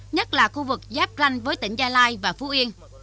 nhất là khu vực giáp ranh với tỉnh gia lai và phú yên